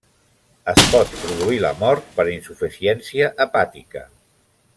Es pot produir la mort per insuficiència hepàtica.